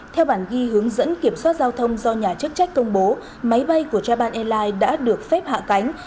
theo bản ghi hướng dẫn kiểm soát giao thông do nhà chức trách công bố máy bay của japan airlines đã được phép hạ cánh